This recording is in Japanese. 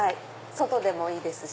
外でもいいですし。